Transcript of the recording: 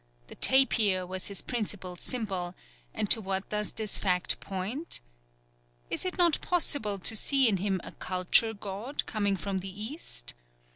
The tapir was his principal symbol, and to what does this fact point? Is it not possible to see in him a culture god coming from the East?